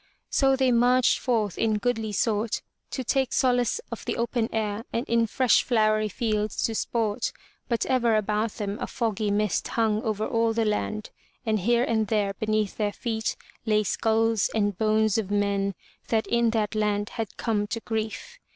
So they marched forth in goodly sort to take solace of the open air and in fresh flowery fields to sport, but ever about them a foggy mist hung over all the land, and here and there beneath their feet lay skulls and bones of men that in that land had come to grief.